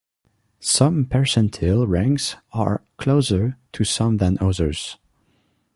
Some percentile ranks are closer to some than others.